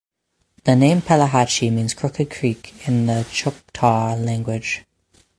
The name Pelahatchie means "Crooked Creek" in the Choctaw language.